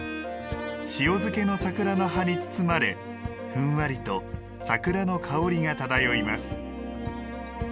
塩漬けの桜の葉に包まれふんわりと桜の香りが漂います。